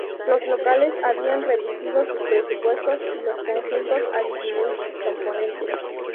Los locales habían reducido sus presupuestos y los conjuntos a disminuir sus componentes".